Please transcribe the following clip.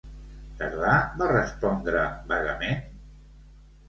Tardà va respondre vagament?